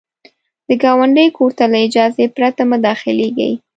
د ګاونډي کور ته له اجازې پرته مه داخلیږه